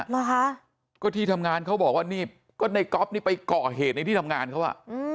เหรอคะก็ที่ทำงานเขาบอกว่านี่ก็ในก๊อฟนี่ไปก่อเหตุในที่ทำงานเขาอ่ะ